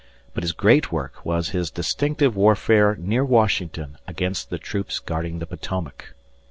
But his great work was his distinctive warfare near Washington against the troops guarding the Potomac.